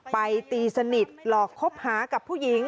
ตีสนิทหลอกคบหากับผู้หญิง